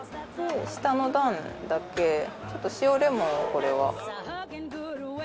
下の段だけちょっと塩レモンをこれは。